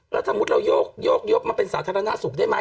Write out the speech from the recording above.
แล้วสมมุติเราโยกยกมาเป็นสาธารณสุขได้ไหม